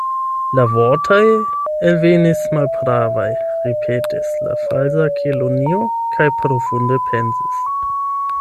"La vortoj elvenis malpravaj," ripetis la Falsa Kelonio, kaj profunde pensis.